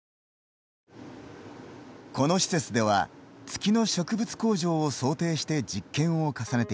この施設では、月の植物工場を想定して実験を重ねています。